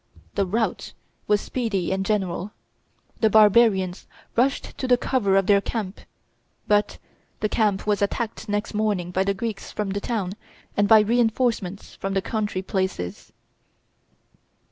The rout was speedy and general; the barbarians rushed to the cover of their camp; but the camp was attacked next morning by the Greeks from the town and by re enforcements from the country places.